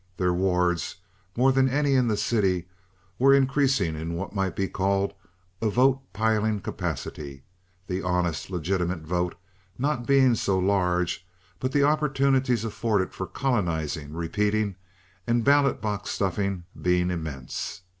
Their wards, more than any in the city, were increasing in what might be called a vote piling capacity, the honest, legitimate vote not being so large, but the opportunities afforded for colonizing, repeating, and ballot box stuffing being immense.